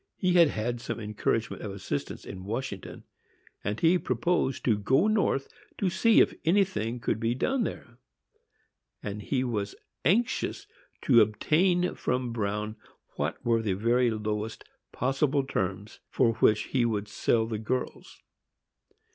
He had had some encouragement of assistance in Washington, and he purposed to go North to see if anything could be done there; and he was anxious to obtain from Bruin what were the very lowest possible terms for which he would sell the girls.